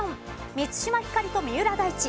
満島ひかりと三浦大知